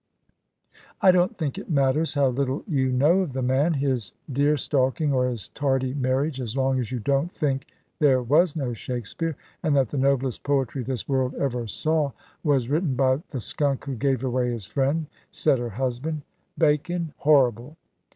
"I don't think it matters how little you know of the man, his deer stalking or his tardy marriage, as long as you don't think there was no Shakespeare, and that the noblest poetry this world ever saw was written by the skunk who gave away his friend," said her husband. "Bacon! Horrible!"